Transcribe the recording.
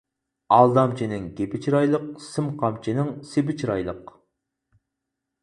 ئالدامچىنىڭ گېپى چىرايلىق، سىم قامچىنىڭ سېپى چىرايلىق.